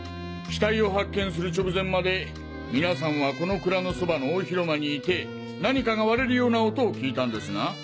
死体を発見する直前まで皆さんはこの蔵のそばの大広間にいて何かが割れるような音を聞いたんですな？